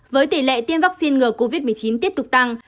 với tỷ lệ tiêm vaccine ngừa covid một mươi chín tiếp tục tăng